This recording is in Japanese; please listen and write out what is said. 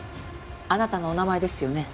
あなたのお名前ですよね？